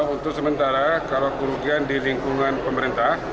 untuk sementara kalau kerugian di lingkungan pemerintah